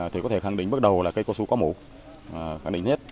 thì có thể khẳng định bước đầu là cây casu có mổ khẳng định nhất